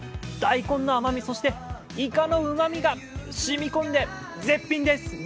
大根の甘み、そして、いかのうまみが染み込んで絶品です。